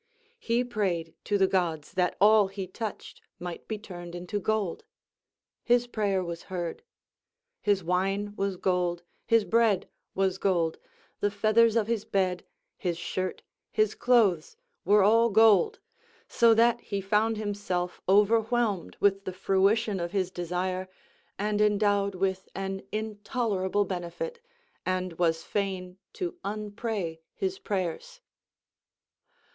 He prayed to the gods that all he touched might be turned into gold; his prayer was heard; his wine was gold, his bread was gold, the feathers of his bed, his shirt, his clothes, were all gold, so that he found himself overwhelmed with the fruition of his desire, and endowed with an intolerable benefit, and was fain to unpray his prayers.